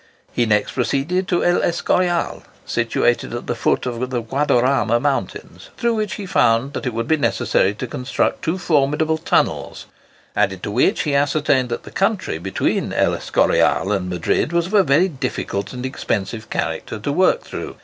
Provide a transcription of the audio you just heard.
He next proceeded to El Escorial, situated at the foot of the Guadarama mountains, through which he found that it would be necessary to construct two formidable tunnels; added to which he ascertained that the country between El Escorial and Madrid was of a very difficult and expensive character to work through.